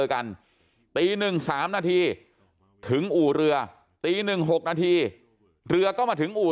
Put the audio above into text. กันตี๑๓นาทีถึงอู่เรือตี๑๖นาทีเรือก็มาถึงอู่